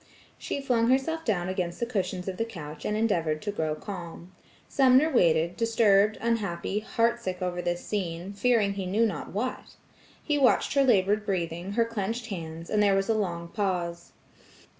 She flung herself down against the cushions of the couch, and endeavored to grow calm. Sumner waited, disturbed, unhappy, heartsick, over this scene, fearing he knew not what. He watched her labored breathing, her clenched hands, and there was a long pause.